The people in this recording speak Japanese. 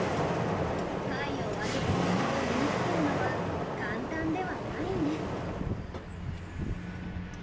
貝を割る方法を身につけるのは簡単ではないんです。